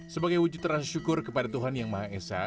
sebagai wujud rasa syukur kepada tuhan yang maha esa